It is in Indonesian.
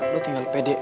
lu tinggal pede